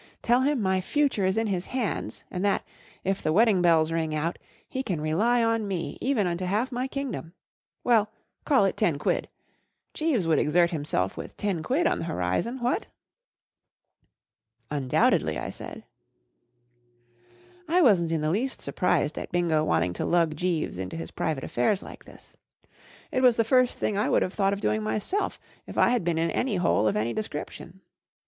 Tell him my future is in his hands, and that, if the wedding bells ring out, he can rely on me, even unto half my kingdom Well, call it ten quid* Jeeves would exert himself with ten quid on the horizon, what ?"'* Undoubtedly," I said. I wasn't 111 the least surprised at Bingo wanting to lug Jeeves into his private affairs like this* It was the first thing I would have thought of doing myself if L had been in any hole of any description.